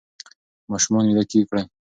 ماشومان ویده کړئ.